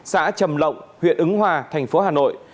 xã trầm lộng huyện ứng hòa thành phố hà nội